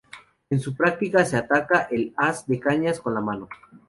En su practica se ataca el haz de cañas con la mano.